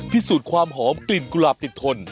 พิสูจน์ความหอมกลิ่นกุหลาบติดทน